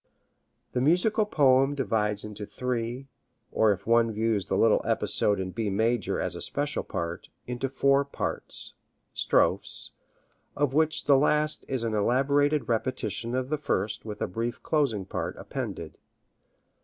The musical poem divides into three, or if one views the little episode in B major as a special part, into four parts (strophes), of which the last is an elaborated repetition of the first with a brief closing part appended.